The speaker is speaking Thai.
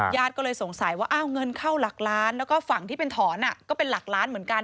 ญาติก็เลยสงสัยว่าอ้าวเงินเข้าหลักล้านแล้วก็ฝั่งที่เป็นถอนก็เป็นหลักล้านเหมือนกัน